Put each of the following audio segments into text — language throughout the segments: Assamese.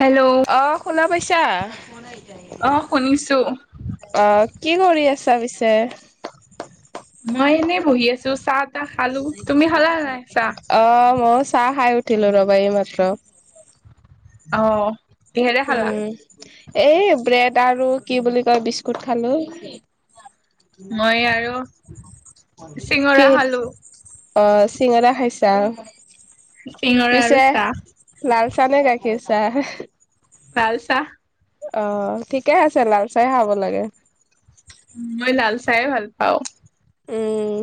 হেল্ল' অহ শুনা পাইছা? অ শুনিছো অ। কি কৰি আছা পিছে? মই এনেই বহি আছো চাত। অ, মই চাহ খাই উঠিলো ৰবা এইমাত্ৰ। অহ কিহেৰে খালা? এই ব্ৰেড আৰু কি বুলি কয় বিস্কুট খালো। মই আৰু চিঙৰা কিহে দি? খালো অ, চিঙৰা খাইছা? চিঙৰা আৰু পিছে চাহ। লাল চাহ নে গাখীৰচাহ? লাল চাহ। অ, ঠিকে আছে লাল চাহয়ে খাব লাগে। মই লাল চাহে ভাল পাওঁ। উম,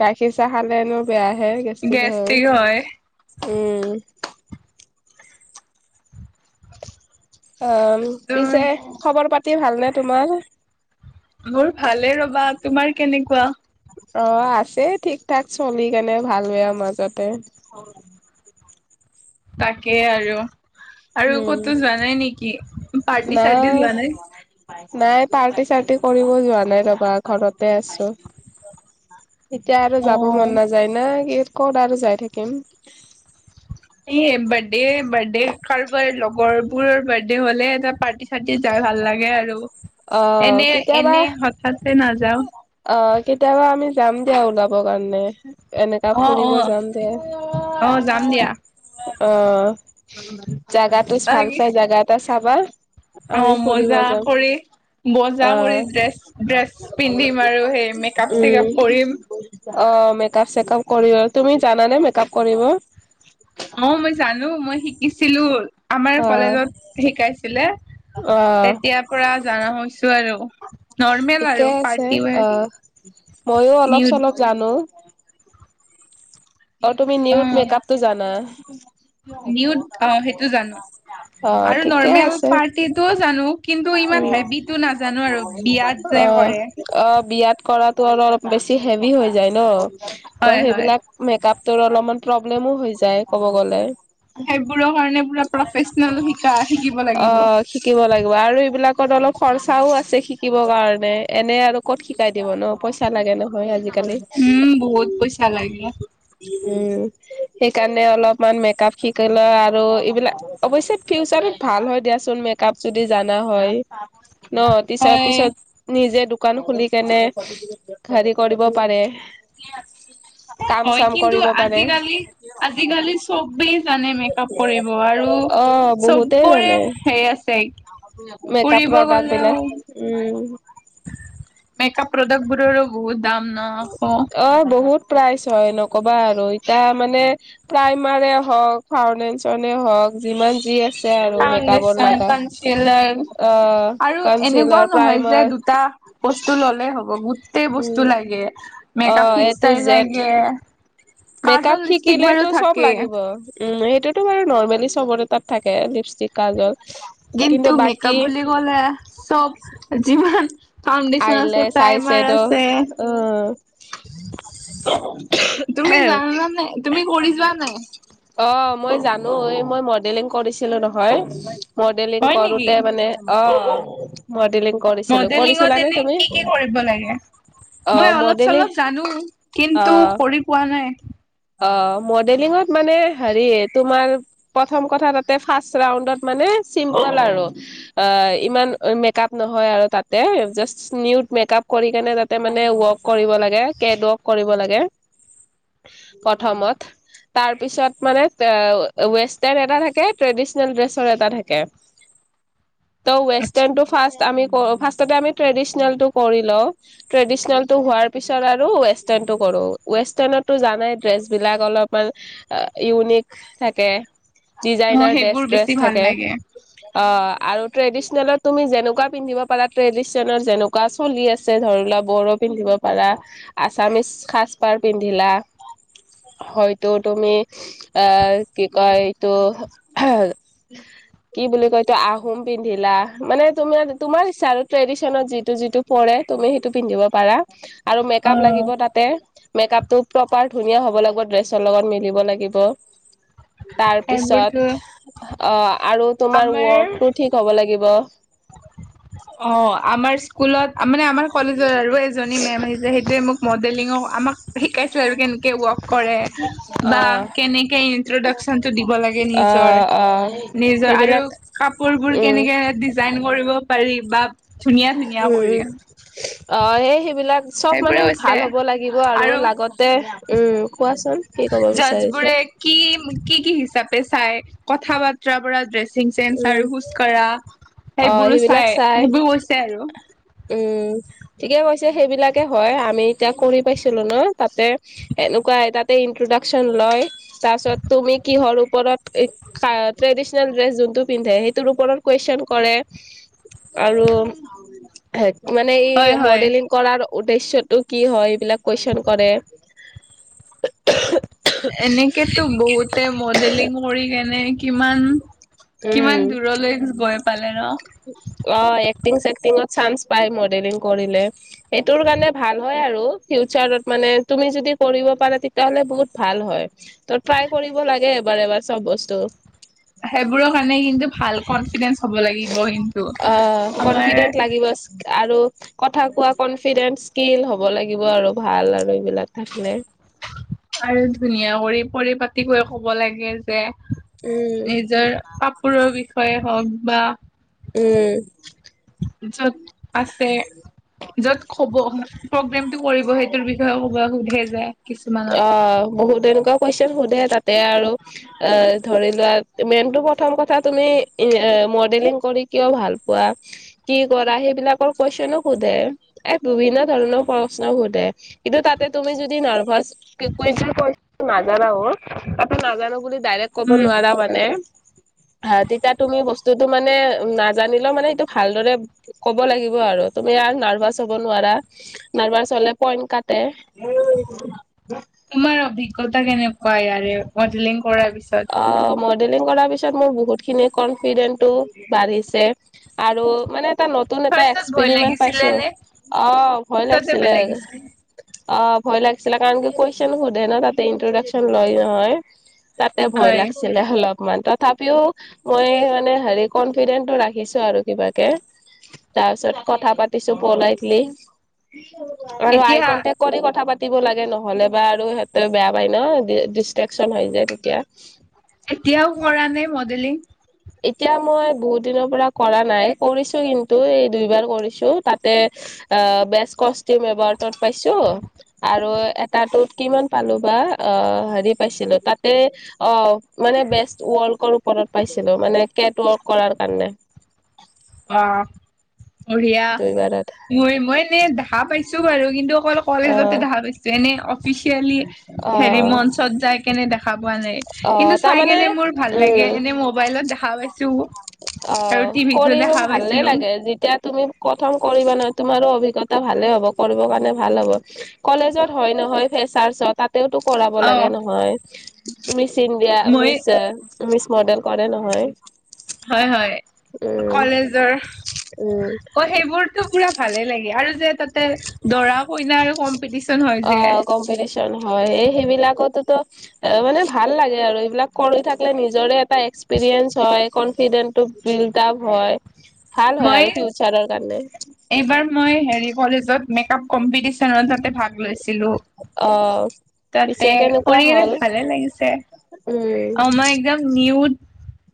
গাখীৰ চাহ খালেনো বেয়াহে, গেষ্ট্ৰিক হয়। উম। অ, তুমি পিছে খবৰ পাতি ভালনে তোমাৰ? মোৰ ভালে ৰবা, তোমাৰ কেনেকুৱা? অ, আছে ঠিক-ঠাক চলি কেনে, ভাল-বেয়া মাজতে। তাকে আৰু। আৰু উম। ক'তো যোৱা নাই নেকি? পাৰ্টি-চাৰ্টি যোৱা নাই? নাই পাৰ্টি-চাৰ্টি কৰিব যোৱা নাই, ৰবা ঘৰতে আছো। এতিয়া আৰু অ যাব মন নাযায় না। কি, ক'ত আৰু যাই থাকিম। এই বাৰ্ডে-বাৰ্ডে কাৰোবাৰ লগৰ বোৰৰ বাৰ্ডে হ'লেহে এটা পাৰ্টি তাতে যাই ভাল লাগে আৰু, অ' কেতিয়াবা এনে-এনে হঠাতে নাযাওঁ। অ' কেতিয়াবা আমি যাম দিয়া, ওলাব কাৰণে। এনেকা অ', ফুৰিব অ'। যাম দে। অ যাম দিয়া অ, জাগাটো ভাল তাকে চাই, জাগা এটা চাবা। অ আমি ফুৰিব মজা যাম। কৰি বজা কৰি আহ ড্ৰেছ ড্ৰেছ পিন্ধিম আৰু সেই মেকআপ চেকআপ উম। কৰিম অ মেকাপ চেকাপ কৰিলৈ। তুমি জানানে মেকাপ কৰিব? অ মই জানো মই শিকিছিলো। আমাৰ অ' কলেজত শিকাইছিলে। অ' তেতিয়াৰ পৰা জানা হৈছো আৰু নৰ্মেল আৰু পাৰ্টি ৱেৰ। ময়ো অলপ নিউড চলপ জানো। অ তুমি নিউত মেকআপটো জানা। নিউড অ সেইটো জানো অ আৰু ঠিকে নৰ্মেল আছে। পাৰ্টিটোও জানো কিন্তু ইমান উম হেভিটো নাজানো আৰু বিয়াত যে অ কৰে অ। বিয়াত কৰাটো অল লপ বেছি হেভি হৈ যাই ন। ত হয় হয় সেইবিলাক মেকাপ তোৰ অলপমান প্ৰব্লেমো হৈ যায় ক'ব গ'লে। সেইবোৰৰ কাৰণে পুৰা প্ৰফেচনেল শিকা শিকিব লাগিব। অ', শিকিব লাগিব আৰু এইবিলাকত অলপ খৰচাও আছে শিকিব কাৰণে এনে আৰু ক'ত শিকাই দিব ন। পইচা লাগে নহয় আজি উম বহুত পইচা লাগে। উম। সেইকাৰণে অলপমান মেকআপ শিকি ল আৰু এইবিলাক অৱশ্যে ফিউচাৰত ভাল হয় দিয়াচোন মেকআপ যদি জানা হয়। ন তিছৰ হয়। পিছত নিজে দো দোকান খুলি কেনে হেৰি কৰিব পাৰে। কাম হয় চাম কিন্তু কৰিব পাৰে। আজিকালি আজিকালি চবেই জানে মেকআপ কৰিব আৰু অ, বহুতেই চবৰে জানে। সেই আছে মেকআপ ফুৰিব প্ৰডাক্ট গ'লেও বিলাক, উম। মেকআপ প্ৰডাক্ট বোৰৰো বহুত দাম ন। অ প্ৰাইজ হয় নক'বা আৰু এতিয়া মানে প্ৰাইমাৰে হওঁক, ফাউণ্ডেচনে হওঁক। যিমান যি আছে আৰু মেকাপ ত ফাউণ্ডেচন, নাই কয়। কনচিলাৰ অ আৰু এনেকুৱাও কাউনচিলাৰ, নহয় যে প্ৰাইমাৰ দুটা বস্তু ল'লেই হ'ব। গোটেই বস্তু উম লাগে মেকাপ ফিক্সাৰ লাগে। মেক আপ কাজল, লিপষ্টিক বাৰু শিকিলেটো চব থাকে। লাগিব। উম। সেইটোতো বাৰু নৰ্মেলি চবৰে তাত থাকে‌ লিপচ কিন্তু মেকাপ বুলি কলে চব যিমান ফাউণ্ডেশচন আছে আইলেছ প্ৰাইমাৰ আইছেডো আছে অ তুমি জানানা নাই? তুমি কৰি যোৱা নাই? অ মই জানো এই মই মডেলিং কৰিছিলো নহয়। মডেলিং হয় নেকি? কৰোতে মানে অ। মডেলিং কৰিছিলো। ট্ৰেনিংত কৰিছিলানে এনে তুমি কি কি কৰিব লাগে? অ মই অলপ মডেলিং চলপ জানো কিন্তু অ কৰি পোৱা নাই। অ মডেলিঙত মানে হেৰি তোমাৰ প্ৰথম কথা তাতে ফাৰ্ষ ৰাউণ্ডত মানে চিম্পল আৰু অ ইমান মেকআপ নহয় আৱ তাত। তে জাস্ত নিউত মেকআপ কৰি কেনে তাতে মানে ৱৰ্ক কৰিব লাগে। কেড ৱৰ্ক কৰিব লাগে। প্ৰথমত। তাৰ পিছত মানে এ ৱেষ্টাৰ্ণ এটা থাকে ট্ৰেডিচনেল ড্ৰেছৰ এটা থাকে। [inaudible] ত আচ্ছা, ৱেষ্টাৰনটো ফাৰ্ষ আমি ফাৰ্ষ তাতে আমি ট্ৰেডিচিনেলটো কৰি লওঁ ট্ৰেডিচিনেলটো হোৱাৰ পিছত আৰু ৱেষ্টাৰ্ণটো কৰো। ৱেষ্টাৰ্ণতটো জানাই ড্ৰেছ বিলাক অলপমান ইউনিক থাকে। মোৰ ডিজাইনাৰ সেইবোৰ ডেছ বেছি ড্ৰেছ ভাল থাকে। লাগে। অ আৰু ট্ৰেডিচনেলত তুমি যেনেকুৱা পিন্ধিব পাৰা। ট্ৰেডিচনৰ যেনেকুৱা চলি আছে ধৰি লোৱা বড়ো পিন্ধিব পাৰা আছামিছ সাজ পাৰ পিন্ধিলা। হয়তো তুমি আহ কি কয় এইতো? কি বুলি কয় এতো আহোম পিন্ধিলা। মানে তোমাৰ তোমাৰ ইচ্ছা আৰু ট্ৰেডিশনত যিটো যিটো পৰে তুমি সেইটো পিন্ধিব পাৰা। আৰু মেকাপ অ'। লাগিব তাতে মেকাপটো প্ৰপাৰ ধুনীয়া হ'ব লাগিব ড্ৰেছৰ লগত মিলিব লাগিব। তাৰ সেইবোৰতো পিছত অ আৰু তোমাৰ আমাৰ ৱৰ্কটো ঠিক হ'ব লাগিব। অ আমাৰ স্কুলত মানে আমাৰ কলেজত আৰু এজনী মেম আহিছে সেইটোয়ে মোক মডেলিঙৰ আমাক শিকাইছো আৰু কেনে ৱৰ্ক কৰে বা কেনেকে ইন্ট্ৰডাকচন টো দিব লাগে অ নিজৰ। অ নিজৰ আৰু সেইবিলাক কাপোৰবোৰ উম কেনেকে ডিজাইন কৰিব পাৰি বা ধুনীয়া ধুনীয়া উম কৰি। অ সে সেইবিলাক চব মানে সেইবোৰে হৈছে ভাল হ'ব লাগিব আৰু লাগতে উম। কোৱাচোন কি ক'ব জাজ বোৰে বিচাৰিছে? কি কি কি হিচাপে চাই কথা বাৰ্তাৰ পৰা ড্ৰেছ ছিং চেঞ্চ উম আৰু খোজ কঢ়া, অ সেইবোৰো সেইবিলাক চাই, সেইবোৰ আৰু। উম ঠিকে কৈছে সেইবিলাকে হয়। আমি এতিয়া কৰি পাইছিলো ন, তাতে সেনেকুৱা তাতে ইন্ট্ৰডাকন লয় তাৰ পিছত তুমি কিহৰ ওপৰত ট্ৰেডিচনেল ড্ৰেছ যোন টো পিন্ধে সেইটোৰ ওপৰত কোৱেচন কৰে আৰু মানে হয় ই হয় মডেলিং কৰাৰ উদ্দেশ্যতটো কি হয় এইবিলাক কুৱেশচন কৰে। এনেকেতো বহুতে মডেলিং কৰি কেনে কিমান কিমান দূৰলৈ গৈ পাই। অঁ এক্টিং চেক্টিঙত চান্স পায় মডেলিং কৰিলে। সেইটোৰ কাৰণে ভাল হয় আৰু ফিউচাৰত মানে তুমি যদি কৰিব পাৰা তেতিয়াহলে বহুত ভাল হয়। তহ ট্ৰাই কৰিব লাগে এবাৰ এবাৰ চব বস্তু। সেইবোৰৰ কাৰণে কিন্তু ভাল কনফিডেন্স হব লাগি অঁ কনফিডেন্ট লাগিব আৰু কথা কোৱা কনফিডেন্স স্কিল হব লাগিব আৰু ভাল আৰু এইবিলাক থাকিলে। আৰু ধুনীয়া কৰি পৰিপাতি কৈ কব লাগে যে উম নিজৰ কাপোৰৰ বিষয়ে হওক বা উম। যত আছে যত কব প্ৰগ্ৰেমতটো কৰিব সেইটোৰ বিষয়ে ক'ব সোধে যে। কিছুমানত অঁ বহুত এনেকুৱা কোৱেশচন শুধে তাতে আৰু ধৰি লোৱা মেইন তহ প্ৰথম কথা তুমি মডেলিং কৰি কিয় ভাল পোৱা? কি কৰা? সেইবিলাকৰ কোৱেশচনো শুধে, এ বি বিভিন্ন ধৰণৰ প্ৰশ্ন সোধে। কিন্তু তাতে তুমি যদি নাৰ্ভাচ ক কৈ নাজানা ন তাতে নাজানো বুলি ডাইৰেক্ট ক'ব উম নোৱাৰা মানে। হা তেতিয়া তুমি বস্তুটো মানে নাজানিলেও মানে এইটো ভালদৰে ক'ব লাগিব আ ৰু তুমি আৰু নাৰ্ভাচ হব নোৱাৰা, নাৰ্ভাচ হলে পইণ্ট কাতে। তোমাৰ অভিজ্ঞতা কেনেকুৱা ইয়াৰে মডেলিং কৰাৰ আহ পিছত? মডেলিং কৰা পাছত মোৰ বহুত খিনি কনফিডেণ্টটো বাঢ়িছে আৰু মানে এটা নতুন এটা ফাৰ্ষ্টত ভয় এক্সপেৰিমেন্ট লাগিছিলে পাইছো। নে অ ভয় পিছতে লাগিছিলে। লাগিছিল অ ভয় লাগিছিলে কাৰণ কি কুৱেশন শুধে ন তাতে ইন্ট্ৰডাকচন লয় নহয় তা তে ভয় হয় লাগিছিলে অলপ। অকমান তথাপিও মই মানে হেৰি কনফিডেন্টটো ৰাখিছো আৰু কিবাকে। তাৰ পিছত কথা পাতিছো পলাইটলি, আৰু আই এতিয়া কনটেক্ কৰি কথা পাতি পাতিব লাগে নহ'লে বা আৰু সিহঁতে বেয়া পায় ন ডিষ্টট্ৰেকচন হৈ যায় তেতিয়া। এতিয়াও কৰা নাই মডেলিং? এতিয়া মই বহুত দিনৰ পৰা কৰা নাই, কৰিছো কিন্তু এই দুইবাৰ কৰিছো তাতে অ বেষ্ট কষ্টিউম এৱাৰ্ডত পাইছো, আৰু এটাটোত কিমান পালো বা অ হেৰি পাইছিলো তাতে অ মানে বেষ্ট ৱাৰ্কৰ ওপৰত পাইছিলো। মানে কেট ৱাৰ্ক কৰাৰ কাৰণে। অ বঢ়িয়া দুইবাৰত। মই মই এনে দেখা পাইছো বাৰু কিন্তু অকল অ কলেজতে দেখা পাইছোঁ এনে অফি চিয়েলি অ হেৰি মঞ্চত যাই কেনে দেখা পোৱা নাই, অ কিন্তু চাই তাৰমানে কেনে মোৰ ভাল লাগে। উম এনে মোবাইলত দেখা পাইছোঁ। অ কৰিব ভালে লাগে যেতিয়া তুমি প্ৰথম কৰিবা নহয় তোমাৰো অভিজ্ঞতা ভালে হ'ব কৰিব কাৰণে ভাল হ'ব। কলেজত হয় নহয় ফ্ৰেছাৰ্ছত তা তেওটো‌ কৰাব অ লাগে নহয় মিছ ইণ্ডিয়া মই মিছ মিছ মডেল কৰে নহয়। হয় হয় উম কলেজৰ উম। অ সেইবোৰতো পুৰা ভালে লাগে আৰু যে তাতে দৰা কইনা আৰু কম্পিটিচন হৈ অ যে। কম্পিটিচন হয় এই সেইবিলাকতোতো এ মানে ভাল লাগে আৰু এইবিলাক কৰি থাকিলে নিজৰে এটা এক্সপিৰিয়েন্ঞ্চ হয় কনফিডেন্টো বিলটাপ হয়। ভাল হয় আৰু মই কি ফীউচ্চাৰৰ কাৰণে। এইবাৰ মই হেৰি কলেজত মেকআপ কম্পিটিচনত তাতে ভাগ লৈছিলো। অ পিছে তাতে কেনেকুৱা কৰি কেনে হ'ল ভালে লাগিছে। উম অ মই একদম নিউট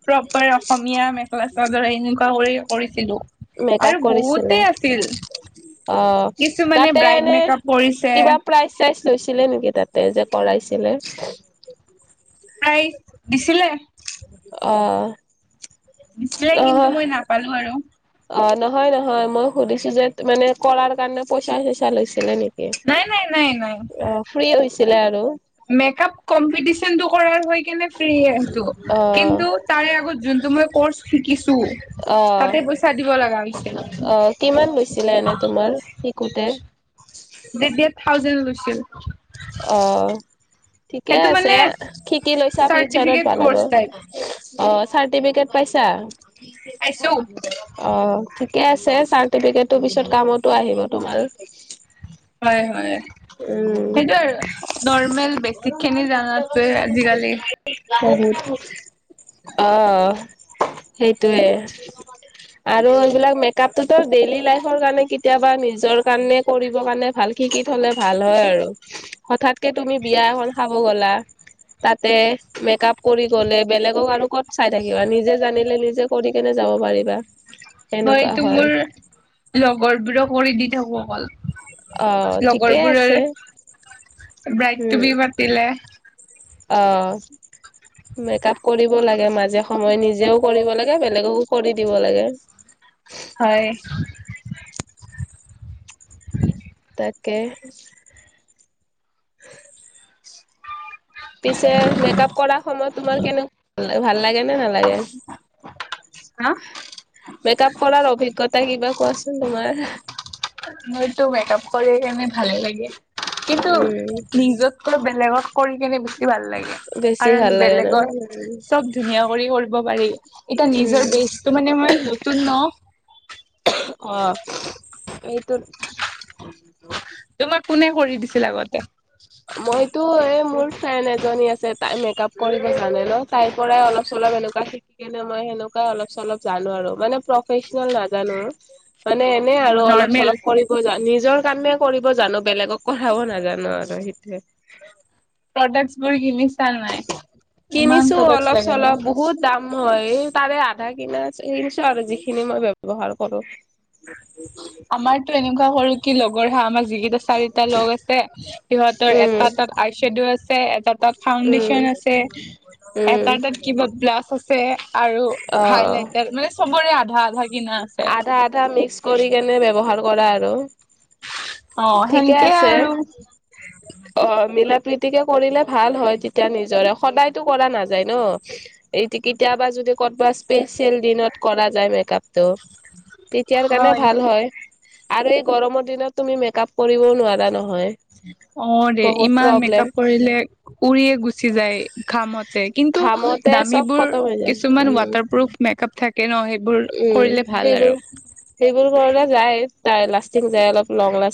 প্ৰপাৰ অসমীয়া মেখেলা চাদৰে এনেকুৱা কৰি কৰিছিলো মেকআপ আৰু বহুত কৰিছিলে তে আছিল। অ কিছুমানে তাতে ব্ৰাইড এনে মেকআপ কৰিছে কিবা প্ৰাইজ চাইজ লৈছিলে নেকি? তাতে যে কৰাইছিলে? প্ৰায় দিছিলে। অঁ। দিছিলে কিন্তু মই নাপালো আৰু। অ নহয় নহয় মই সুধিছো যে মানে কৰাৰ কাৰণে পইচা চইচা লৈছিলে নেকি? নাই নাই অ ফ্ৰী হৈছিলে আৰু। মেকাপ কম্পিটিচনটো কৰাৰ হৈ কেনে কিন্তু অ কিন্তু তাৰে আগত যোনটো মই কৰ্চ শিকিছো। অ অ। তাতে পইচা দিব লগা হৈছিল অ কিমান লৈছিলে এনে তোমাৰ শিকোতে? [unintelligible] থাউজেন লৈছিল। অ ঠিকে সেইটো আছে মানে শিকি লৈছা ফিউচাৰত চাৰ্টিফিকেট ভাল হ'ব। কৰ্চ টাইপ অ চাৰ্টিফিকেট পাইছা? পাইছো। অ ঠিকে আছে চাৰ্টিফিকেটৰ পিছত কামতো আহিব তোমাৰ। হয় হয়। উম, কিন্তু বে নৰ্মেল বেছিকখিনি জানাত যে আজিকালি। অহ সেইটোৱে। আৰু এইবিলাক মেকআপটোত ডেইলি লাইফৰ কাৰণে কেতিয়াবা নিজৰ কাৰণে কৰিব কাৰণে ভাল। শিকি থলে ভাল হয় আৰু হঠাৎকে তুমি বিয়া এ হল খাব গ'লা। তাতে মেকআপ কৰি গ'লে বেলেগক আৰু ক'ত চাই থাকিবা নিজে জানিলে নিজে কৰি কেনে যাব পাৰিবা। মই সেনেকুৱা এইটো হয় মোৰ লগৰবোৰক কৰি দি থাকো অকল। অ ঠিকেই আছে। ব্ৰাইডটো বি পাতিলে। অঁ। মেকআপ কৰিব লাগে মাজে সময়ে নিজেও কৰিব লাগে বেলেগকো কৰি দিব লাগে। হয়। [inaudible] তাকে। পিছে মেকআপ কৰা সময়ত তোমাৰ কেনেকা ভাল লাগে নে নালাগে? হা মেকআপ কৰাৰ অভিজ্ঞতা কিবা কোৱাচোন তোমাৰ? মোৰতো মেকআপ কৰি কেনে ভালে লাগে। কিন্তু উম, নিজতকৈ বেলেগত কৰি কিনে বেছি ভাল লাগে। বেছি কাৰণ ভাল লাগে ন? বেলেগৰ চব ধুনীয়া কৰি কৰিব পাৰি। এটা নিজৰ উম, বেচটো মানে মই নতুন ন। অ এইটো আছিল আগতে। মইতো এ মোৰ ফ্ৰেন্দ এজনী আছে। তাই মেকআপ কৰিব জানে ন। তাই পৰাই অলপ চলপ অলপ এনেকোৱা শিককেনে মই সেনেকোৱা অলপ চলপ জানো আৰু মানে প্ৰফেচনেল নাজানো। মানে এনে আৰু অলপ নৰ্মেল চলপ কৰিব জানো নিজৰ কামে কৰিব জানো বেলেগক কৰাব নাজানো নোৱাৰো এই সিতু এ প্ৰডাকচ বোৰ কিনি কিনিছো অলপ লাগে ন? চলপ বহুত দাম মই তাৰে আধা কিনা কিনছো আৰু যিখিনি মই ব্যৱহাৰ কৰো উম', আমাৰতো এনেকোৱা সৰু কি লগৰ হা আমাৰ যিকেইটা চাৰিটা লগ আছে সিহঁতৰ উম এটা তাত আইশ্বেড আছে, এটা তাত উম ফাউণ্ডেচন আছে, উম এটা তাত কিবা ব্লাছ আছে আৰু অ হাইলাইটাৰ, মানে চবৰে আধা আধা কিনা আছে আধা আধা মিক্স কৰি কেনে ব্যৱহাৰ কৰা আৰু অ ঠিকে সেনকে আছে আৰু অ মিলা প্ৰীতিকে কৰিলে ভাল হয় তেতিয়া নিজৰে সদায়তো কৰা নাযায় ন এই কেতিয়াবা যদি ক'ৰবাত স্পেচিয়েল দিনত কৰা যায় মেক আপ ত, তেতিয়াৰ কাৰণে ভাল হয় আৰু এই গৰমৰ দিনত তুমি মেক মেক আপ কৰিবও নোৱাৰা নহয় অ' ৰে বহুত ইমান মেক প্ৰব্লেম আপ কৰিলে উৰিয়ে গুচি যায় ঘামতে কিন্তু কিন্তু, অহ', ঘামতে চব দামীবোৰ খতম হৈ যায় কিছুমান উম ৱাটাৰ প্ৰোফ মেক‌আপ‌ থাকে তাকে নহয়, সেইবোৰ উম কৰিলে ভাল সেইবোৰ আৰু সেইবোৰ ঘৰলে যায় তাই লাষ্টিং যায়, অলপ লং লাষ্টিং